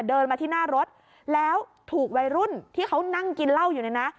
เดินมาที่หน้ารถแล้วถูกวัยรุ่นที่เขานั่งกินเหล้าอยู่เนี่ยนะ